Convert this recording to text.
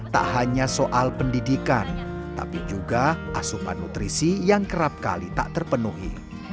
tak hanya soal pendidikan tapi juga asupan nutrisi yang kerap kali tak terpenuhi